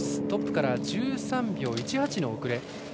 トップから１３秒１８の遅れ。